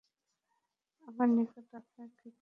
আমার নিকট আপনার কি প্রয়োজন আমি তা বুঝে ফেলেছি।